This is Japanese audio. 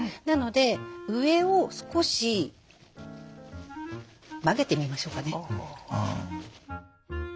なので上を少し曲げてみましょうかね。